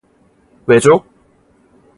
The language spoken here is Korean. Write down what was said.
왜죠?